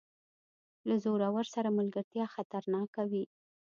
له زورور سره ملګرتیا خطرناکه وي.